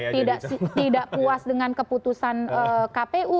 tidak puas dengan keputusan kpu